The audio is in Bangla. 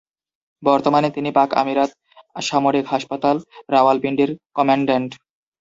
বর্তমানে তিনি পাক-আমিরাত সামরিক হাসপাতাল, রাওয়ালপিন্ডির কমান্ড্যান্ট।